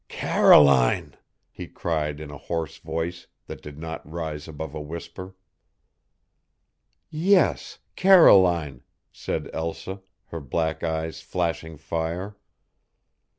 "Caroline!" he cried in a hoarse voice that did not rise above a whisper. "Yes, Caroline," said Elsa, her black eyes flashing fire.